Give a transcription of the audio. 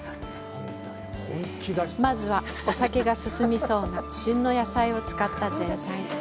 まずは、お酒が進みそうな旬の野菜を使った前菜。